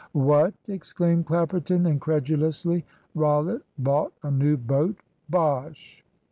"What!" exclaimed Clapperton, incredulously; "Rollitt bought a new boat! Bosh!"